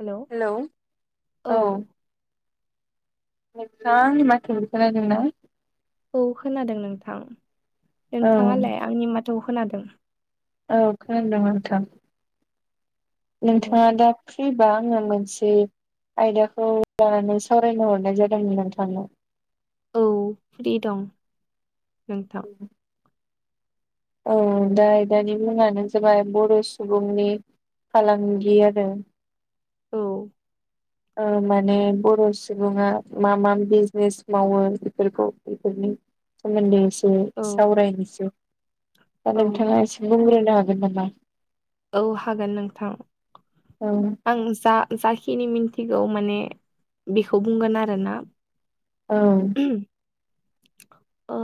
हेल' hello औ नोंथाङा आंनि माथोखौ खोनादों ना औ खोनादों नोंथां औ नोंथाङालाय आंनि माथो खोनादों औ खोनदों नोंथां नोंथाङा दा फ्रिबा आङो मोनसे आयदाखौ लानानै सावरायनो हरनाय जादोंमोन नोंथांनाव औ फ्रि दं नोंथां [inaudible] औ दा दानि मुङानो जाबाय बर' सुबुंनि फालांगि आरो औ ओ माने बर' सुबुङा मा मा बिजनेस मावो बेफोरखौ बेफोरनि सोमोनदै इसे औ सावरायनोसै दा औ नोंथाङा एसे बुंग्रोनो हागोन नामा? औ हागोन नोंथां औ आं जा जाखिनि मिनथिगौ माने बिखौ बुंगोन आरोना ओं [unintelligible] ओ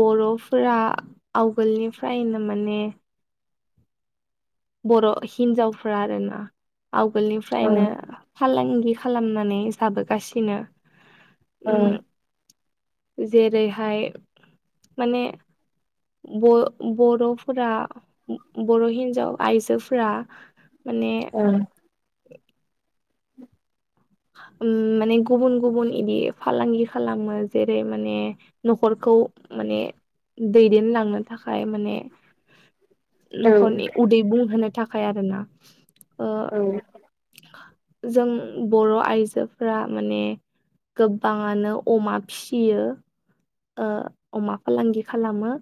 बर'फोरा आवगोलनिफ्रायनो माने बर' हिन्जावफ्रा आरो ना औ आगोलनिफ्रायनो फालांगि खालामनानै जाबोगासिनो ओ उम जेरैहाय माने [unintelligible] ब बर'फोरा बर' हिन्जाव आइजोफोरा माने ओम [inaudible] उम माने गुबुन गुबुन इदि फालांगि खालामो जेरै माने न'खरखौ माने दैदेनलांनो थाखाय माने [inaudible] औ न'खरनि उदै बुंहोनो थाखाय आरो ना औ जों बर' आइजोफोरा माने गोबाङानो अमा फिसियो ओ अमा फालांगि खालामो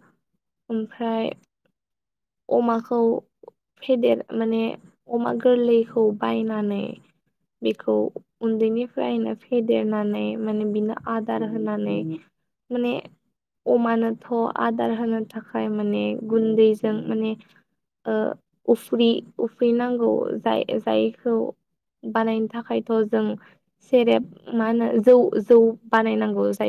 ओमफ्राय अमाखौ फेदेर माने अमा गोरलैखौ बायनानै बेखौ उन्दैनिफ्रायनो फेदेरनानै माने बिनो आदार होनानै माने अमानोथ' आदार होनो थाखाय माने गुन्दै जों माने ओ उफ्रि उफ्रिनांगौ जाय जायखौ बानायनो थाखायथ' जों सेरेब मा होनो जौ जौ बानायनांगौ जायो